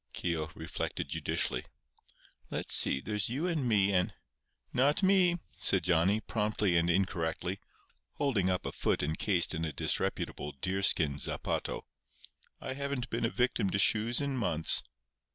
Keogh reflected judicially. "Let's see—there's you and me and—" "Not me," said Johnny, promptly and incorrectly, holding up a foot encased in a disreputable deerskin zapato. "I haven't been a victim to shoes in months."